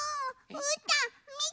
うーたんみてる。